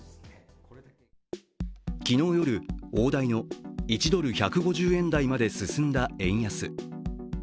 昨日夜、大台の１ドル＝１５０円台まで進んだ円安。